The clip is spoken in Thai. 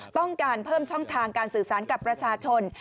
ต้องการเพิ่มช่องทางการสื่อสารกับประชาชน